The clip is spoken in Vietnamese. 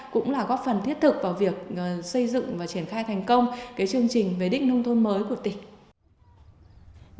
cũng là góp phần thiết thực vào việc xây dựng và triển khai thành công chương trình về đích nông thôn mới của tỉnh